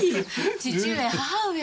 父上母上！